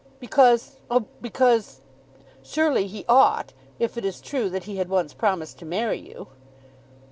"Because, oh, because . Surely he ought, if it is true that he had once promised to marry you."